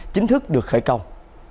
chính thức được khởi công